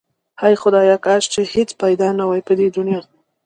هی خدایا کاش چې هیڅ پیدا نه واي په دی دنیا